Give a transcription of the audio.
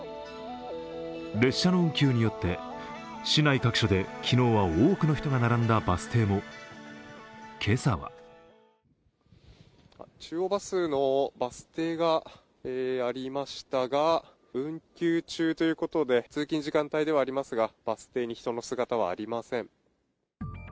列車の運休によって市内各所で昨日は多くの人が並んだバス停も今朝は中央バスのバス停がありましたが、運休中ということで通勤時間帯ではありますがバス停に人の姿はありません。